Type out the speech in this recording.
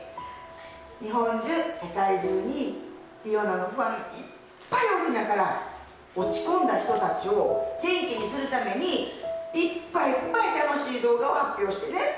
日本中、世界中に理央奈のファンいっぱいおるんやから、落ち込んだ人たちを元気にするためにいっぱいいっぱい楽しい動画を発表してね。